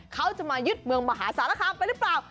เขาจะมายึดเมืองมหาสารคามไปหรือเปล่า